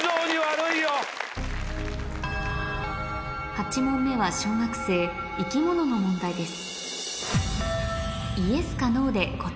８問目は小学生生き物の問題です